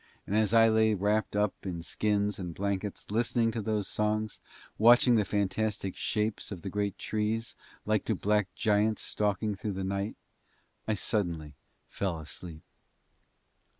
And as I lay wrapped up in skins and blankets listening to those songs, and watching the fantastic shapes of the great trees like to black giants stalking through the night, I suddenly fell asleep.